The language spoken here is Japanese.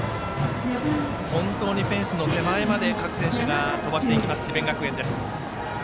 本当にフェンスの手前まで各選手が飛ばしていきます、智弁学園。